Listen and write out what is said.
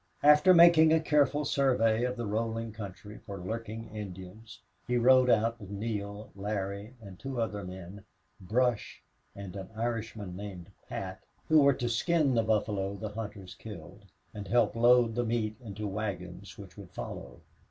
After making a careful survey of the rolling country for lurking Indians he rode out with Neale, Larry, and two other men Brush and an Irishman named Pat who were to skin the buffalo the hunters killed, and help load the meat into wagons which would follow.